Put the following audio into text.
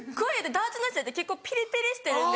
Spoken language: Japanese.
ダーツの試合って結構ピリピリしてるんで。